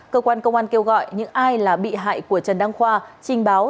cơ quan công an kêu gọi những ai là bị hại của trần đăng khoa trình báo